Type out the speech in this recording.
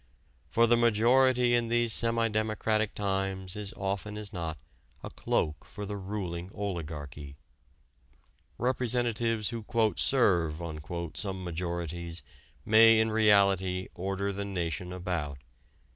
For the majority in these semi democratic times is often as not a cloak for the ruling oligarchy. Representatives who "serve" some majorities may in reality order the nation about.